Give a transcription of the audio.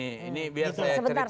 ini biasa ya cerita dikit